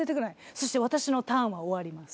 そして私のターンは終わります。